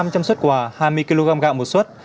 trước đó năm trăm linh xuất quà hai mươi kg gạo một xuất